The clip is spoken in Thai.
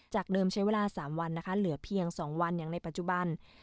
เดิมใช้เวลา๓วันนะคะเหลือเพียง๒วันอย่างในปัจจุบัน